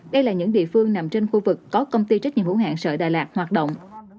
đây là những địa phương nằm trên khu vực có công ty trách nhiệm hữu hạng sợi đà lạt hoạt động